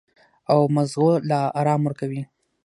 او مزغو له ارام ورکوي -